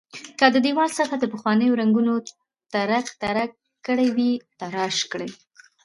که د دېوال سطحه پخوانیو رنګونو ترک ترک کړې وي تراش کړئ.